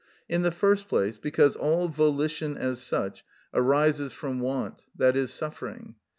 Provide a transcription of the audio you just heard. In the first place, because all volition as such arises from want; that is, suffering.